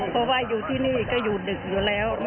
เพราะว่าอยู่ที่นี่ก็อยู่ดึกอยู่แล้ว